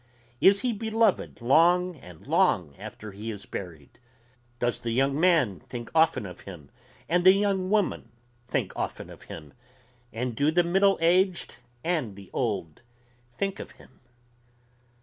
Is he beloved long and long after he is buried? Does the young man think often of him? and the young woman think often of him? and do the middle aged and the old think of him?